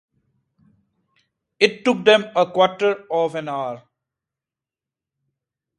It took them a quarter of an hour.